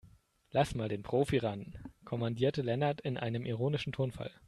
Lass mal den Profi ran, kommandierte Lennart in einem ironischen Tonfall.